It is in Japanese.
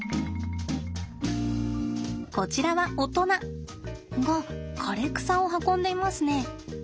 こちらは大人が枯れ草を運んでいますね。